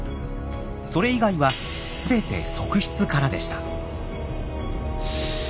それ以外は全て側室からでした。